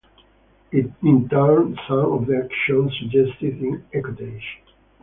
In turn, some of the actions suggested in Ecotage!